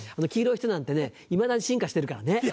黄色い人なんてねいまだに進化してるからね。